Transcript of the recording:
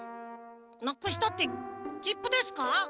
なくしたってきっぷですか？